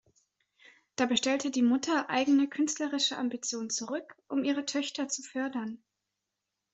Dabei stellte die Mutter eigene künstlerische Ambitionen zurück, um ihre Töchter zu fördern.